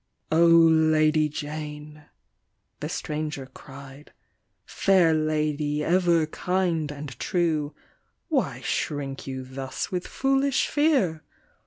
" Lady Jane, (the stranger cried) Fair Lady, ever kind and true; Why shrink you thus with foolish fear?